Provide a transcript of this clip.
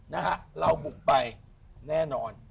นะฮะเราบุกไปแน่นอน